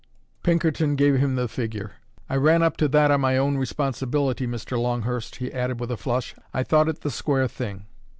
Pinkerton gave him the figure. "I ran up to that on my own responsibility, Mr. Longhurst," he added, with a flush. "I thought it the square thing."